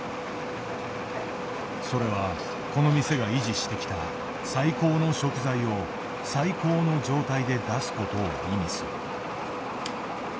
それはこの店が維持してきた「最高の食材を最高の状態で出す」ことを意味する。